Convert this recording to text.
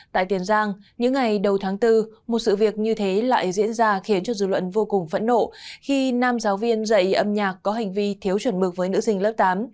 tại tiền giang những ngày đầu tháng bốn một sự việc như thế lại diễn ra khiến cho dư luận vô cùng phẫn nộ khi nam giáo viên dạy âm nhạc có hành vi thiếu chuẩn mực với nữ sinh lớp tám